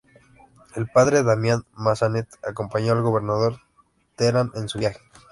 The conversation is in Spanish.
El padre Damián Massanet acompañó al gobernador Terán en su viaje.